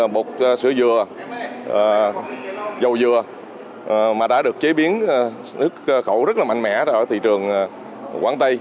một sữa dừa dầu dừa mà đã được chế biến nước khẩu rất là mạnh mẽ ở thị trường quảng tây